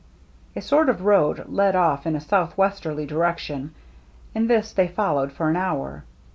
'* A sort of road led oflF in a southwesterly direction, and this they followed for an hour.